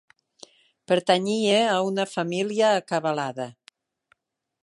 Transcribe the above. Pertanyia a una família acabalada.